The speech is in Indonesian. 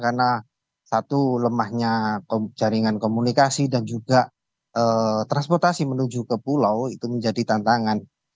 karena satu lemahnya jaringan komunikasi dan juga transportasi menuju ke pulau itu menjadi tantangan